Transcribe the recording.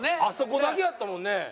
あそこだけやったもんね。